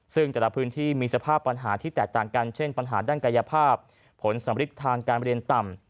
ซึ่งแต่ละพื้นที่มีสภาพปัญหาที่แตกต่างกันเช่นปัญหาด้านกายภาพผลสำริดทางการเรียนต่ำ